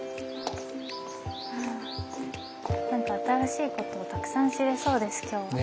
何か新しいことをたくさん知れそうです今日は。